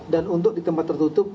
dan untuk di tempat tertutup